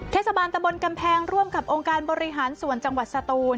เทศบาลตะบนกำแพงร่วมกับองค์การบริหารส่วนจังหวัดสตูน